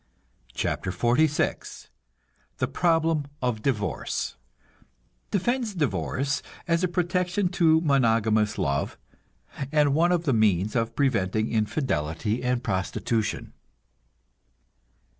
CHAPTER XLVI THE PROBLEM OF DIVORCE (Defends divorce as a protection to monogamous love, and one of the means of preventing infidelity and prostitution.)